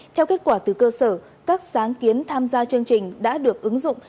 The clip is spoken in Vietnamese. theo kết quả từ cơ sở các sáng kiến tham gia chương trình đã được ứng dụng